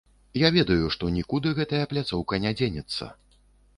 Я ведаю, што нікуды гэтая пляцоўка не дзенецца.